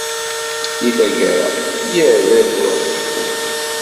Deg tgara, yerra-d Oedipus.